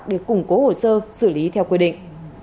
để củng cố hồ sơ xử lý theo quy định